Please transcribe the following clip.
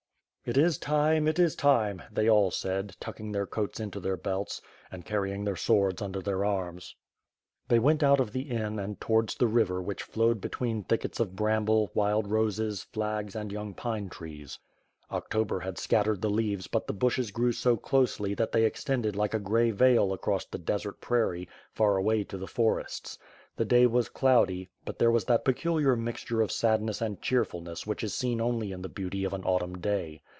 "It is time, it is time," they all said, tucking their coats into their belts, and carrying their swords under their arms. They went out of the inn and towards the river which flowed between thickets of bramble, Avild roses, flags, and young pine trees. October had scattered the leaves but the bushes grew so closely that they extended like a gray veil across the desert prairie, far away to the forests. The day was cloudy, but there was that peculiar mixture of sadness and cheerfulness which is seen only in the beauty of an Autumn day.